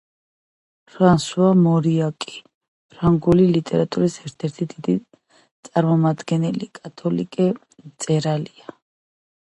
ფრანსუა მორიაკი, ფრანგული ლიტერატურის ერთ-ერთი დიდი წარმომადგენელი, კათოლიკე მწერალია.